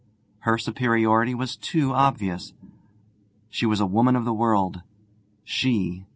Her superiority was too obvious; she was a woman of the world! She....